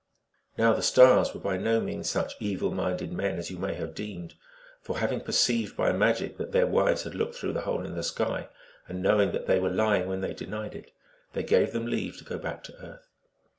Now the Stars were by no means such evil minded men as you may have deemed ; for having perceived by magic that their wives had looked through the hole in the sky, and knowing that they were lying when they denied it, they gave them leave to go back to earth.